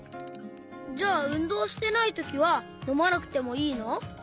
じゃあうんどうしてないときはのまなくてもいいの？